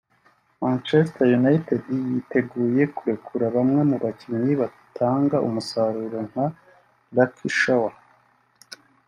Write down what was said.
Manchester United yiteguye kurekura bamwe mu bakinnyi badatanga umusaruro nka Luke Shaw